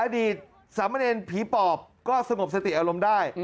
อดีตสามเณรผีปอบก็สงบสติอารมณ์ได้